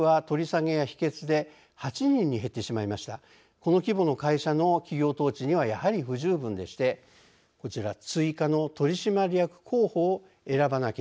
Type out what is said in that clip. この規模の会社の企業統治にはやはり不十分でしてこちら追加の取締役候補を選ばなければなりません。